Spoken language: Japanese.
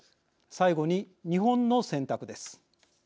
最後に日本の選択です。